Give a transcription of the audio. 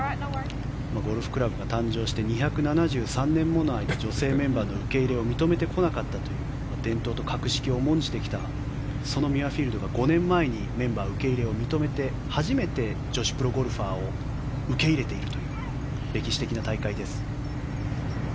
ゴルフクラブが誕生して２７３年もの間女性メンバーの受け入れを認めてこなかったという伝統と格式を重んじてきたそのミュアフィールドが５年前にメンバー受け入れを認めて初めて女子プロゴルファーを受け入れているという歴史的な大会です。